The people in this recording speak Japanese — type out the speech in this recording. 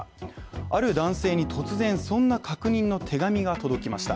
ある男性に突然そんな確認の手紙が届きました。